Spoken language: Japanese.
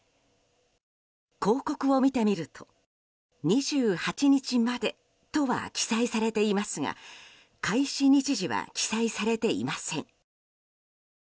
広告を見てみると、２８日までとは記載されていますが開始日時は記載されていません。